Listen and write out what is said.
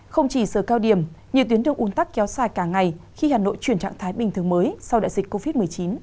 không chỉ giờ cao điểm nhiều tuyến đường un tắc kéo dài cả ngày khi hà nội chuyển trạng thái bình thường mới sau đại dịch covid một mươi chín